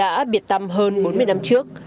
thì em ruột của xuân đã biệt tâm hơn bốn mươi năm trước